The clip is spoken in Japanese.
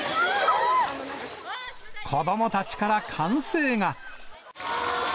子どもたちから歓声が。